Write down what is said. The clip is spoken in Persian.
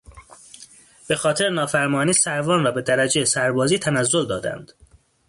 به خاطر نافرمانی سروان را به درجهی سربازی تنزل دادند.